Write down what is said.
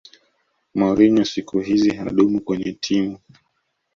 mourinho siku hizi hadumu kwenye timu